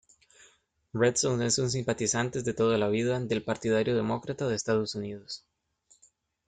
Redstone es un simpatizantes de toda la vida del Partidario Demócrata de Estados Unidos.